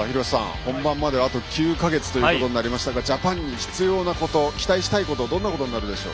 本番まであと９か月となりましたがジャパンに必要なこと期待したいことどんなことになるでしょう。